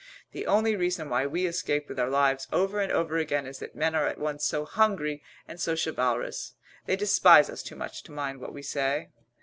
The only reason why we escaped with our lives over and over again is that men are at once so hungry and so chivalrous. They despise us too much to mind what we say."